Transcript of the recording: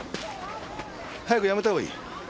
早く辞めた方がいい。